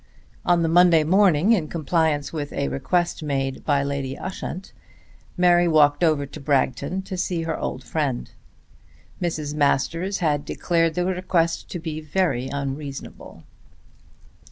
On the Monday morning, in compliance with a request made by Lady Ushant, Mary walked over to Bragton to see her old friend. Mrs. Masters had declared the request to be very unreasonable.